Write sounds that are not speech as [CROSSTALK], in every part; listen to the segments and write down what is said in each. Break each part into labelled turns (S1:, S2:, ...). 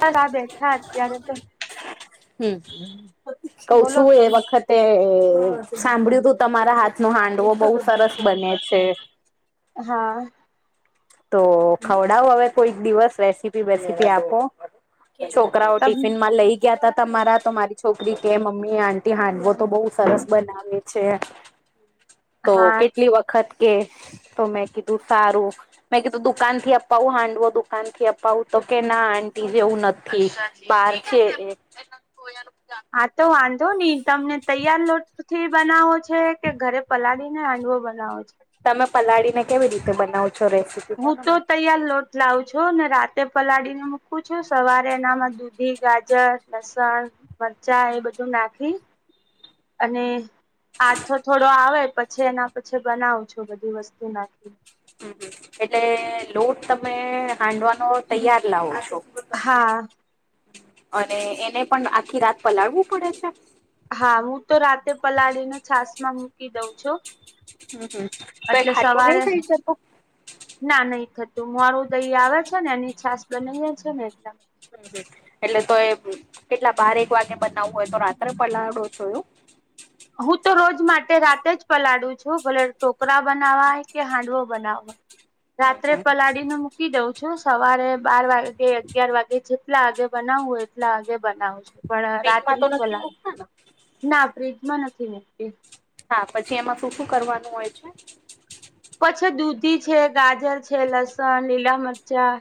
S1: Sir આ બેઠા અત્યારે તો.
S2: હ, કઉ
S1: બોલો
S2: છું એ
S1: તમે
S2: વખત. તે સાંભળ્યું તું તમારા હાથ ન હાંડવો બહુ સરસ બને છે.
S1: હા.
S2: તો ખવડાવ, હવે કોઈક દિવસ રેસીપી બેસીપી આપો. છોકરાઓ
S1: તમ
S2: ટિફિન માં લઈ. ક્યા હતા, તમારા તો મારી છોકરી કે મમ્મી આટી હાંડવો તો બહુ સરસ બનાવે છે. તો
S1: હા
S2: કેટલી વખત કે તો મેં કીધું સારું. મેં કીધું દુકાન થી અપાવું હાંડવો દુકાન થી અપાવું તો કે, ના આટી જેવું નથી. માર છે.
S1: હા, તો વાંધો નહી, તમને તૈયાર લોટ થી. બનાવો છે કે, ઘરે પલાળ ને હાંડવો બનાવો છે.
S2: તમે પલાળી ને, કેવી રીતે બનાવ છો રેસીપી.
S1: હું
S2: કોને
S1: તો
S2: મને
S1: તૈયાર લોટ લાવું છો ને, રાતે પલાળીને મૂકું છું, સવારે એનામાં દૂધી, ગાજર, લસણ. મરચા એ બધું નાખી, અને આથો થોડો આવે, પછી એના પછી બનાવ છો, બધી વસ્તુ નાખી.
S2: હમ, એટલે લોટ તમે હાંડવાનો તૈયાર લાવો છો.
S1: હા.
S2: અને એને પણ આખી રાત પલાળવું પડે છે.
S1: હા, હું તો રાતે પલાળીને છાસ માં મૂકી દઉં છું.
S2: હમ હમ તો એ
S1: એટલે
S2: ખાતું નહી
S1: સવારે
S2: ખઈ શતું.
S1: ના નહી થતું મારું દહી આવે છે ને એની છાસ બનાવીએ છે ને એકદમ.
S2: હમમ એટલે તો એ કેટલા બારેક વાગે બનાવવું હોય તો રાત્રે પલાડો છયું.
S1: હું તો રોજ માટે રાતે જ પલાળું છું ભલે ટોકરા બનાવાય કે હાંડવો બનાવા.
S2: [INAUDIBLE]
S1: રાત્રે પલાળીને મૂકી દઉં. જો સવારે બાર વાગે અગિયાર વાગે જેટલા આગે બનાવ હોય એટલા આગે બનાવજો. પણ
S2: ફ્રીજમાં
S1: રાત્રિ
S2: તો
S1: જ
S2: નથી
S1: પલાવી,
S2: મુકતા ને
S1: ના ફ્રીજમાં નથી નીકતી.
S2: હા પછી એમાં શું શું કરવાનું હોય છે?
S1: પછી દૂધી છે ગાજર છે લસણ લીલા મરચાં.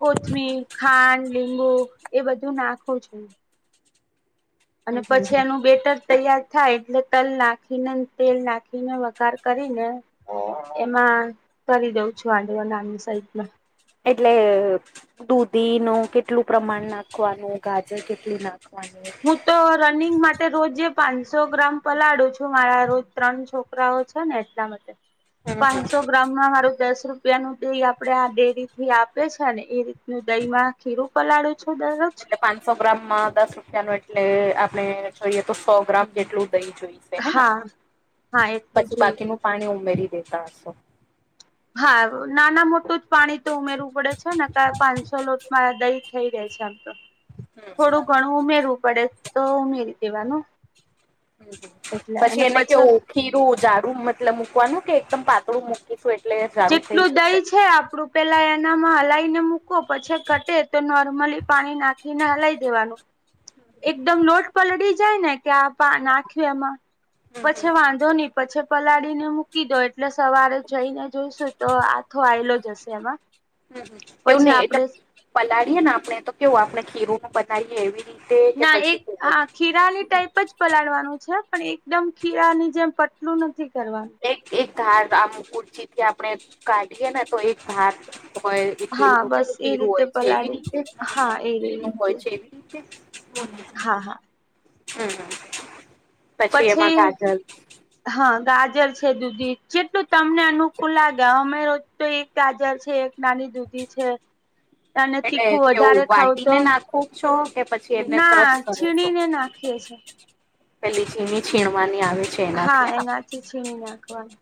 S1: કોથમી ખાંડ લીંબુ એ બધું નાખું છું. અને
S2: હમ હમ
S1: પછી
S2: હમ
S1: એનું બેટર તૈયાર થાય એટલે તલ નાખીને તેલ નાખીને વગાર કરીને એમાં કરી દઉ છું આડેવા નાની સાઈડમાં.
S2: એટલે દૂધી ન કેટલું પ્રમાણ નાખવાનું ગાજર કેટલું નાખવાનું.
S1: હું તો રનિંગ માટે રોજ પાંચસો ગ્રામ પલાળો છું મારા રોજ ત્રણ છોકરા ને એટલા માટે,
S2: હમ
S1: પાંચસો ગ્રામ. મારું દસ રૂપિયાનું દહીં આપણે આ ડેરીથી આપે છે ને એ રીતનું દહીંમાં. ખીરું પલાળું છું દરરોજ.
S2: સો ગ્રામમાં દસ રૂપિયા ને, એટલે આપણે જોઈએ તો સો ગ્રામ જેટલું દહીં જોઈએ.
S1: હા હા એટલું
S2: પછી
S1: જોઈએ
S2: બાકીનું પાણી ઉમેરી દેતા હશો.
S1: હા, નાના-મોટું જેટલું પાણી તો ઉમેરવું પડે છે ને પાંચસો લોટ મારા દહીં થઈ રહ્યું છે આમ તો, થોડું ઘણું ઉમેરવું પડે. તો મારી દવાનું.
S2: પછી એને કેવું ખીરું જાડું મતલબ મૂકવાનું કે એકદમ પાતળું મૂકીશું એટલે જાડું થઈ જશે.
S1: પહેલાં એમાં હલાવીને મૂકો, પછી ઘટ્ટ થાય તો નોર્મલી પાણી નાખીને હલાવી દેવાનું.
S2: [INAUDIBLE]
S1: એકદમ નરમ પડી જાય ને કે આમાં નાખ્યું એમાં, પછી વાંધો નહીં પછી પલાળીને મૂકી દો એટલે સવારે જઈને જોઈશું તો આઠો આલો જ હશે એમાં.
S2: હમ, એવું
S1: પછી
S2: નહીં એ
S1: આપડે
S2: પલાળીએ ને આપણે તો કેવું આપણે ખીરું ન બનાવીએ એવી. રીતે કે
S1: ના
S2: પછી
S1: એક
S2: પેલું
S1: હા ખીરાની ટાઈપ જ પલાળવાનું છે પણ એકદમ ખીરાની જેમ પાતળું નથી કરવાનું.
S2: એક એક ઘાત આમ કુરચીથી આપણે કાઢીએ ને તો એક ભાત. હોય
S1: હા
S2: એટલુંનું
S1: બસ
S2: કેવું
S1: એ
S2: ખીરું
S1: રીતે
S2: હોય છે એવી
S1: પલાળી
S2: રીતે
S1: હા એ
S2: એટલુંનું હોય
S1: રીતે
S2: છે, એવી ઠીક છે, બોન
S1: હા હા.
S2: હમ હા.
S1: પછી હા ગાજર છે દુધી જેટલું તમને અનુકૂળ લાગે અમારો તો એક ગાજર છે. નાની દૂધી છે. અને
S2: એટલે
S1: તીખું
S2: કેવું
S1: વધારે
S2: વાટીને
S1: ખાવું
S2: નાખો છો કે પછી એને
S1: હોય
S2: ક્રશ
S1: તો,
S2: કરો છો?
S1: છીણીને નાખ એ છે.
S2: પેલી છીણી છીણવાની આવે છે. એનાથી
S1: હા
S2: હેના
S1: એનાથી છીણી નાખવાનું,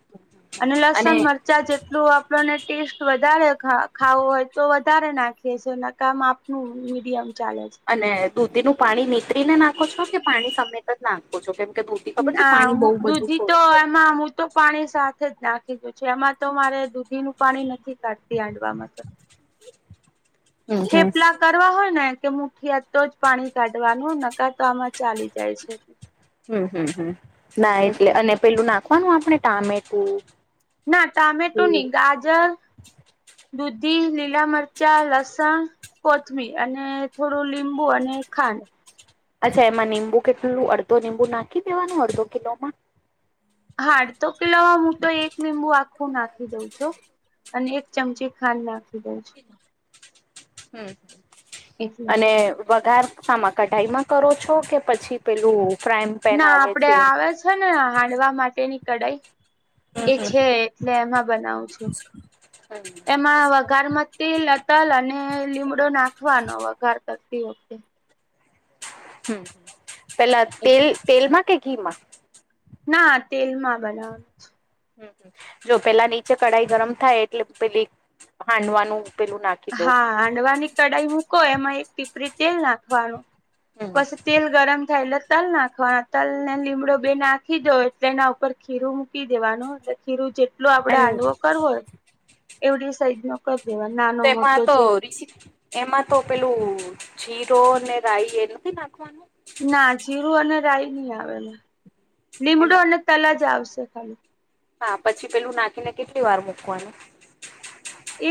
S1: અને લસણ-મરચાં જેટલું આપણને ટેસ્ટ વધારે ખાવો હોય તો વધારે નાખીએ છીએ અને કામ આપણે હા મીડિયમ ચાલે છે.
S2: અને દૂધીનું પાણી નીતરીને નાખો છો કે પાણી સહિત જ નાખો છો કેમ કે દૂધી ખબર છે
S1: ના
S2: પાણી બહુ બધું
S1: દૂધી તો
S2: છોડે
S1: એમાં તો પાણી સાથે જ નાખી દઉં છું એમાં તો મારે દૂધીનું પાણી નથી કાઢતી હાંડવામાં તો.
S2: હમ હમ
S1: થેપલા કર હોય ને કે મુઠિયા તો જ પાણી કાઢવાનું નહીં તો આમાં ચાલી જાય છે.
S2: હમ હમ હમ, ના એટલે
S1: એટલા
S2: અને પેલું નાખવાનું આપણે ટામેટું.
S1: ના ટામેટું નહીં ગાજર. દૂધી, લીલા મરચાં, લસણ. કોથમીર અને થોડું લીંબુ અને ખાંડ.
S2: અચ્છા એમાં લીંબુ કેટલું અડધું લીંબુ નાખી દેવાનું અડધો કિલોમાં?
S1: હાડ તો પેલામાં મોટો એક લીંબુ આખું નાખી દઉં છું. અને એક ચમચી ખાંડ નાખી દે છે.
S2: હમ,
S1: છું એટલે
S2: અને વઘાર હા એમાં કઢાઈમાં કરો છો કે પછી પેલું ફ્રાય?
S1: ના આપણે આવે છે ને હાંડવા માટેની કડાઈ.
S2: હમ
S1: એ
S2: હમ
S1: છે એટલે એમાં બનાવું છું, એમાં વઘારમાં તે તલ અને લીંબડો નાખવાનો વઘાર કરતી વખતે.
S2: હા, પહેલાં
S1: એટલે
S2: તેલમાં કે ઘીમાં?
S1: ના તેલ માં બનાવે.
S2: હમ, જો પેલા નીચે કઢાઈ ગરમ થાય એટલે પેલી હાંડવાનું પેલું નાખે
S1: હા હાંડવાની કઢાઈ મૂકો એમાં એક પીપરી તેલ નાખવાનું.
S2: હમ
S1: પછ તેલ ગરમ થયલા તલ નાખવાના તલ ને લીમડો બે નાખી દો એટલે એના ઉપર ખીરું મૂકી દેવાનું એટલે ખીરું જે એટ આપડે
S2: અને
S1: હાડવો કર હોય, એવડી સાઈ નો કરી દેવા નાનો
S2: તેમાં
S1: મોટો
S2: તો
S1: જે
S2: એમાં તો પેલું જીરો રઈ એ નથી નાખવાનું?
S1: ના જીરું અને રાય નહી આવે, લીમડું
S2: એમાં
S1: અને તલાજ આવશે ખાલી.
S2: હા પછી પેલું નાખીને કેટલી વાર મૂકવાનું?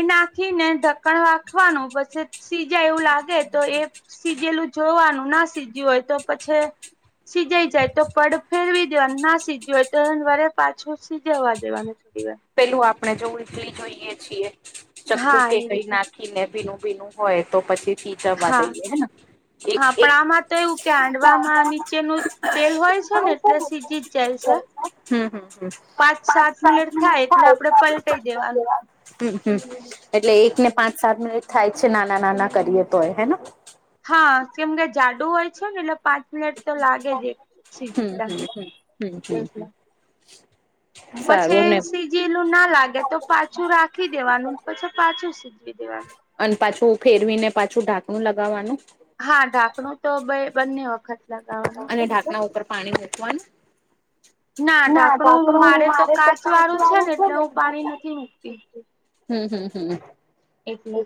S1: એ નાખીને ઢક્કણ વાખવાનું પછી સીજાય એવું લાગે તો એ સીજેલું જોવાનું ના સીજ્યું હોય તો પછે સીજાઈ જાય તો પડ ફેરવી દેવાનું ના સીજ હોય તો એ વરે પાછું સીજવવા દેવાનું. છે.
S2: પેલું આપણે જોવું ટલી જોઈએ છીએ, ચક્કુ
S1: હા
S2: કે
S1: એ
S2: કઈ
S1: રીતે
S2: નાખ કીને ભીનું ભીનું હોય તો પછી
S1: હા
S2: વાતાએ હે એક
S1: હા પણ
S2: એક
S1: આમાં તો એવું કે હાંડવામાં નીચેનું તેલ હોય છે ને એટલે સીજી જ જાય છે
S2: હમ્મ હમ્મ.
S1: પાંચ સાત મિનિટ થાય એટલે આપડે પલટાઈ દેવાનું
S2: એટલે એક ને પાચ પાંચ સાત મિનિટ થાય છે નાના નાના કરીએ તો એ હે ના.
S1: હા કેમ કે જાડુ હોય છે ને એટલે પાંચ મિનિટ તો લાગે જ
S2: હમ
S1: શીખતા
S2: હમ હમ હમ હમ
S1: એટલા.
S2: [INAUDIBLE] સારું
S1: પછી
S2: અને
S1: સીઝેલું ના લાગે તો પાછું રાખી દેવાનું પછી પાછું સીજવી દેવાનું.
S2: અને પાછું ફેરવીને પાછું ઢાંકણું લગાવવાનું.
S1: હા ઢાંકણું તો બે બંને વખત. લગાવાનુ.
S2: અને ઢાંણા ઉપર પાણી મૂકવાનું. ના તો આપડું મારે તો કાચ વાળું છે ને એકદમ. હમ્મ હમ્મ હમ્મ.
S1: એટલે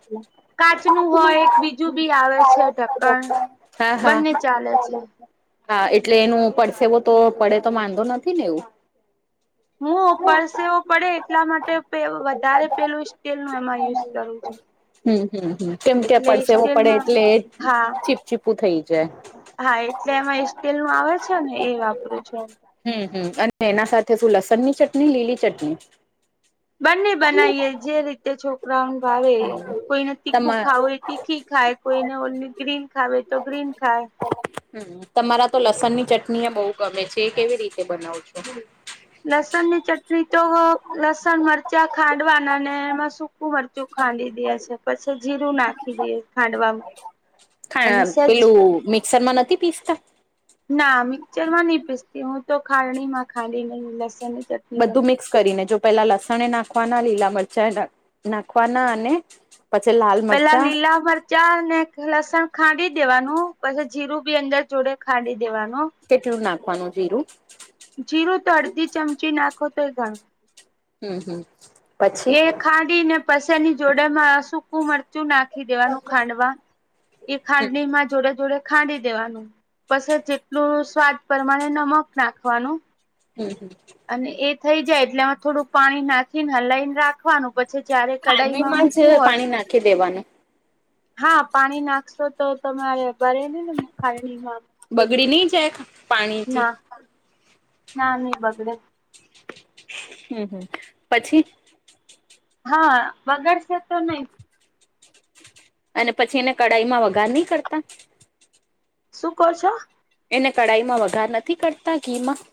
S1: કાચનું હોય એક બીજું બી આવે છે ઢક્કણ
S2: હા
S1: બંને ચાલે છે
S2: હા. હા એટલે એનું પડસેવો તો પડે તો વામાંંધો નથી ને એવું.
S1: હું પડસેવો પડે એટલા માટે વધારે પેલું સ્ટીલ નું એમાં યુઝ કરું છું.
S2: હમ્મ હમ્મ હમ્મ કેમ
S1: એટલે
S2: પડશે એવું પડે
S1: સ્ટીલમાં
S2: એટલે
S1: હા
S2: ું થઇ જાયે.
S1: હા એટલે એમાં સ્ટીલ નું આવે છે ને એ વાપરું છુ.
S2: હમ્મ હમ્મ અને એના સાથે શું લસણ ની ચટણી લીલી ચટણી.
S1: બંને બનાવીએ જે રીતે છોકરાઓ ભાવે. કોઈને તીખું
S2: તમા
S1: ખાવું તીખી ખાય કોઈને ઓનલી ગ્રીન ખાવે તો ગ્રીન ખાય.
S2: તમારા તો લસણ ની ચટણી એ બહુ ગમે છે એ કેવી રીતે બનાવ છો?
S1: લસણ ની ચટણી તો લસણ મરચા ખાંડવાના ને એમાં શુ ું મરચું ખાંડી દે છે પછી જીરું નાખ અને સેજ
S2: પેલું મિક્સર માં નથી પીસતા?
S1: ના મિક્ચરમાં નહી પીસતી હું તો ખાણી માં ખાંડી ન લસન
S2: બધું મિક્સ. કરીને જો પેલા લસણ નાખવાના લીલા મરચા નાખવાના અને પછી લાલ
S1: પેલા
S2: મરચા
S1: લીલા ચાર ને લસણ ખાંડી દેવાનું, પછી જીરું બી અંદર જોડે ખાંડી દેવાનું.
S2: કેટલું નાખવાનું જીરું?
S1: જીરું તો અડધી ચમચી નાખો તો ગણ.
S2: હમ હમ. પછી
S1: એ
S2: હમ
S1: ખાંડી ને પસે ની જોડે માં સૂકું મળ કચું નાખી દેવાનું ખાંડવા, એ
S2: હમ
S1: ખાંડણીમાં જોડે જોડે ખાંડી દેવાનું. પછ જેટલું સ્વાદ પ્રમાણે નમક નાખવાનું.
S2: હમ હમ.
S1: અને એ થઈ જાય એટલે એમાં થોડું પાણી નાખીને હલાઈને રાખે નાખવાનું પછી, જયારે કડાઈમાં
S2: ખાંડવીમાં જ
S1: મૂકવું હોય.
S2: પાણી નાખી દેવાનું
S1: હા પાણી નાખશો તો તમારે ભરે ને ને ખાણીમાં.
S2: બગડી નહી જાય પાણીથી?
S1: ના નહી બગડે.
S2: હમ હમ પછી?
S1: હા બગડશે તો નહી.
S2: અને પછી એને કઢાઈ માં વઘાર નહી કરતા?
S1: શું કર છો?
S2: એને કઢાઈમાં વઘાર નથી કરતા ઘી માં?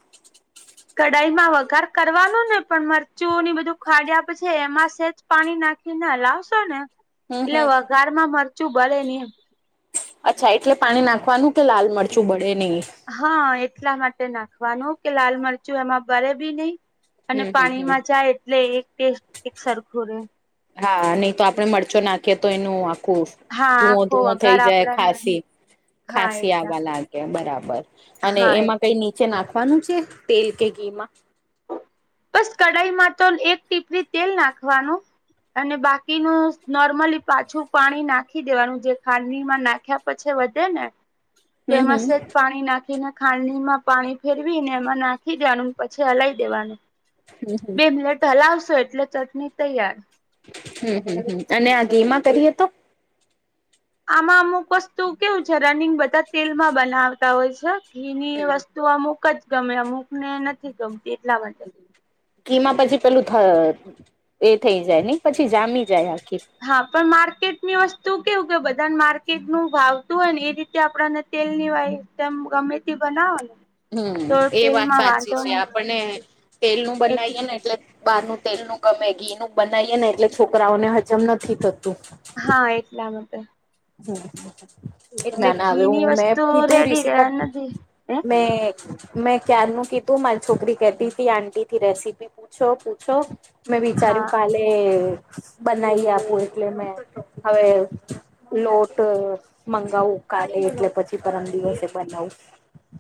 S1: કઢાઈમાં વઘાર કરવાનું ને પણ મરચુંની બધું ખાડ આપે છે એમાં સેજ પાણી નાખીને હલવશો ને,
S2: હમ
S1: એટલે
S2: હમ
S1: વઘાર માં મરચું બળે હીમ
S2: અચ્છા એટલે પાણી નાખવાનું કે લાલ મરચું બળે નહી.
S1: હા એટલા અમારતે નાખવાનું કે લાલ મરચું એમાં ભરે બી નહી અને
S2: હમ હમ હમ
S1: પાણીમાં જાય એટલે એક ટેસ્ટ એક સરખું રહેે
S2: હા નહી તો આપડે મરચો નાખીએ તો એનું આખું
S1: હા
S2: ધુવો
S1: આખો
S2: ધુવો
S1: વઘાર
S2: થઈ જાય
S1: આપડાને
S2: ખાસી
S1: હા
S2: ખાંસી
S1: એટલા
S2: આવવા લા ગે બરાબર અને
S1: હા
S2: એમાં કઈ
S1: એટલા
S2: નીચે નાખવાનું છે? તેલ કે ઘી માં
S1: બસ કઢાઈમાં તો એક ટીપરી તેલ નાખવાનું અને બાકીનું નોર્મલી પાછું પાણી નાખી દેવાનું જે ખાંડડીમાં નાખ્યા પછી વધે ને
S2: હમ
S1: તેમાં
S2: હમ
S1: સેજ પાણી નાખીને ખાંડડીમાં પાણી ફેરવી ને એમાં નાખી દેવાનું પછી હલાઈ દેવાનું
S2: હમ
S1: બે મિનિટ હલાવશો એટલે ચટણી તૈયાર
S2: હમ હમ હમ અને આ ઘેમાં કરીએ તો?
S1: આમાં અમુક વસ્તુ કેવું છે, રનિંગ બધા તેલમાં બનાવતા હોય છે. ઘીની વસ્તુ અમુક જ ગમે અમુક ને નથી ગમતી એટલા મા
S2: ઘીમાં પછી પેલું થ એ થઈ જાય, અને પછી જામી જાય આખી
S1: હા પણ માર્કેટની વસ્તુ કેવું કે બધા માર્કેટ નુ ભાવતું હોય ને એ રીતે આપડને તેલ ની વાય તેમ ગમે તે બનાવો ને
S2: હમ
S1: તો
S2: એ વાત
S1: તેલમાં
S2: સાચી
S1: વાંધો
S2: છે,
S1: નથી
S2: આપણને તેલનું બનાવીએે ને એટલે બહાર નું તેલનું ગમેગીનું બનાવીએ ને એટલે છોકરાઓને હજમ નથી થતું
S1: હા એટલા માટે
S2: [INAUDIBLE]
S1: એટલે
S2: ના ના આવ્યો
S1: ઘીની
S2: હું મેં
S1: વસ્તુ
S2: કીધું
S1: રેડી રે
S2: રિશીકા
S1: નથી હે
S2: મે મેં ક્યારનું કીધું મારી છોકરી કતી તી, આંટીથી રેસીપી પૂછો પૂછો? મેં
S1: હા
S2: વિચાર્યું કાલે બનાવી આપું એટલે મેં હવે લોટ મંગાવું કાલે એટલે પછી પરમ દિવસે બનાવું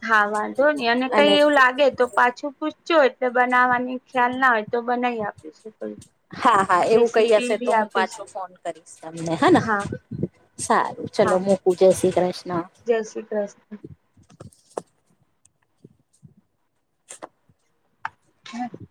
S1: હા વાંધો ની અને કઈ એવું લાગે તો પાછું પૂછજો એટલે બનાવાની ખ્યાલ ના હોય તો બનાય આપીશ
S2: હા હા એવું કઈ હશે તો
S1: બી
S2: હું પાછો
S1: આપીશું
S2: ફોન કરીશ તમને હને
S1: હા
S2: સારું ચલો
S1: હા
S2: મૂકું જય શ્રી કૃષ્ણ
S1: જય શ્રી કૃષ્ણ. [INAUDIBLE]